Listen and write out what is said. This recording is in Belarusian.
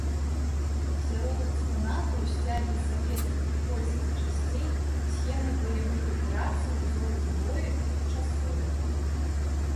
Сярод экспанатаў сцягі савецкіх і польскіх часцей, схемы баявых аперацый, узоры зброі тых часоў.